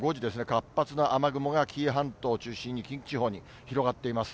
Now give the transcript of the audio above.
活発な雨雲が紀伊半島を中心に、近畿地方に広がっています。